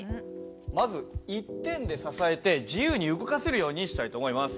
まず１点で支えて自由に動かせるようにしたいと思います。